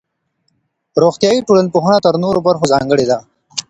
روغتيائي ټولنپوهنه تر نورو برخو ځانګړې ده.